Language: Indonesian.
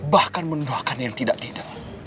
bahkan menuduhkan yang tidak tidak